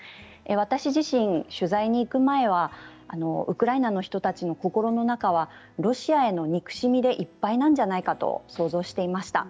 私自身、取材に行く前はウクライナの人たちの心の中はロシアへの憎しみでいっぱいなんじゃないかと想像していました。